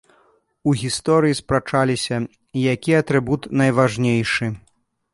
У гісторыі спрачаліся, які атрыбут найважнейшы.